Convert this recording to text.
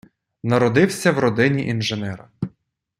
Народився в родині інженера.